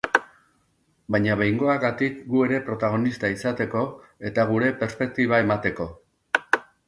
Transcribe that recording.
Baina behingoagatik gu ere protagonista izateko, eta gure perspektiba emateko.